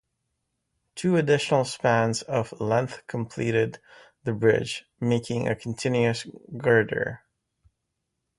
Two additional spans of length completed the bridge, making a continuous girder.